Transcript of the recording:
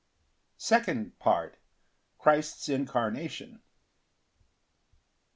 Second Part. Christ's incarnation.